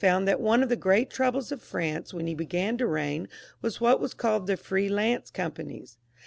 found that one of the great troubles of France when he began to reign was what was called the Free Lance companies.